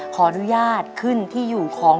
ขออนุญาตขึ้นที่อยู่ของ